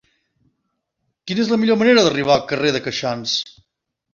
Quina és la millor manera d'arribar al carrer de Queixans?